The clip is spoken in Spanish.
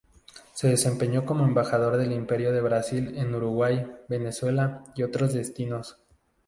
Se desempeñó como embajador del Imperio de Brasil en Uruguay, Venezuela y otros destinos.